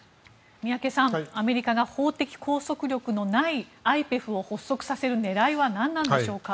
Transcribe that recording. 宮家さん、アメリカが法的拘束力のない枠組みを発足させる狙いは何なんでしょうか。